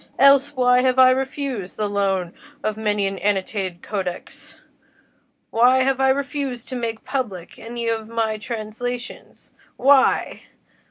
Else, why have I refused the loan of many an annotated codex? why have I refused to make public any of my translations? why?